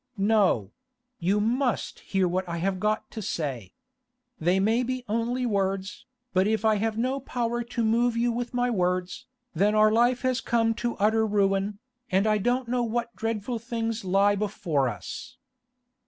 'No; you must hear what I have got to say. They may be only words, but if I have no power to move you with my words, then our life has come to utter ruin, and I don't know what dreadful things lie before us.